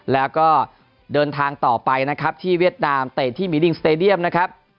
แล้วก็เดินทางต่อไปที่เวียดนามเตะที่มีลิงส์สเตดียัม